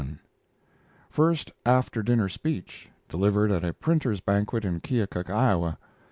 First after dinner speech; delivered at a printers' banquet in Keokuk, Iowa.